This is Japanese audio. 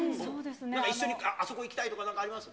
一緒にあそこ行きたいとか、なんかあります？